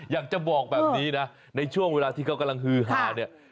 อยากจะบอกแบบนี้นะในช่วงเวลาที่เขากำลังฮือฮาเนี่ย